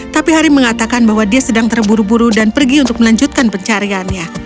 tapi hari mengatakan bahwa dia sedang terburu buru dan pergi untuk melanjutkan pencariannya